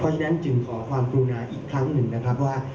เพราะฉะนั้นจึงขอความกรุณาอีกครั้งหนึ่งนะครับว่า